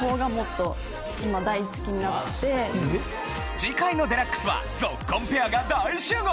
次回の『ＤＸ』はぞっこんペアが大集合！